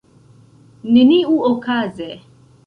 Neniuokaze.